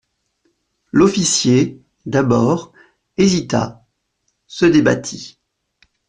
L'officier, d'abord, hésita, se débattit.